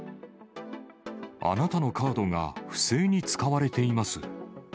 あなたのカードが不正に使われています。